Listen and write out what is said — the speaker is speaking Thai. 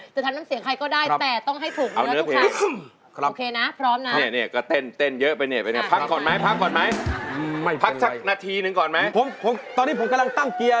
จะทำรวมเสียงใครก็ได้แต่ต้องให้ถูกนี่นะครับ